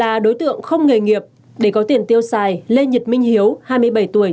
là đối tượng không nghề nghiệp để có tiền tiêu xài lê nhật minh hiếu hai mươi bảy tuổi